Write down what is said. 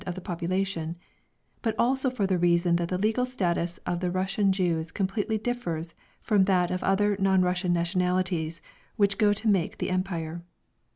of the population but also for the reason that the legal status of the Russian Jews completely differs from that of other non Russian nationalities which go to make the Empire.